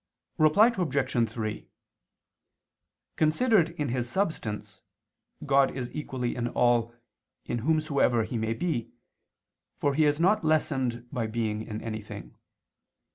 Reply Obj. 3: Considered in His substance, God is equally in all, in whomsoever He may be, for He is not lessened by being in anything.